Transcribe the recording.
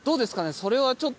それはちょっと。